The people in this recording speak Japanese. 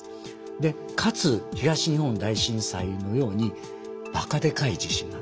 でかつ東日本大震災のようにばかでかい地震なんです。